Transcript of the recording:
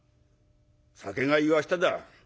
酒が言わしただ。